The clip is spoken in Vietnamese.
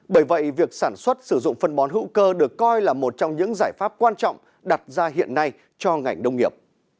bởi vậy việc sản xuất sử dụng phân bón hữu cơ được coi là một trong những giải pháp quan trọng đặt ra hiện nay cho ngành nông nghiệp